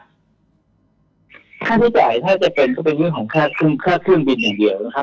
ค่าใช้จ่ายถ้าจะเป็นก็เป็นเรื่องของค่าเครื่องบินอย่างเดียวนะครับ